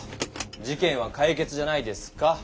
事けんはかい決じゃないですか？